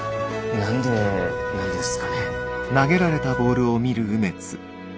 何でなんですかね？